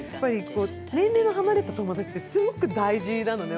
年齢の離れた友達ってすごく大事なのね。